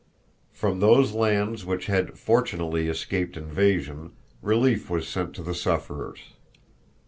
From those lands which had, fortunately, escaped invasion, relief was sent to the sufferers.